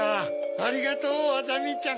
ありがとうあざみちゃん。